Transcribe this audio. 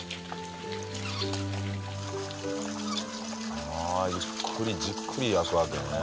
ああゆっくりじっくり焼くわけね。